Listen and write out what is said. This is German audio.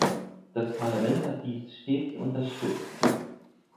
Das Parlament hat dies stets unterstützt.